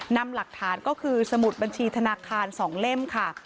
นำหลักฐานก็คือสมุดบัญชีธนาคาร๒เล่มค่ะ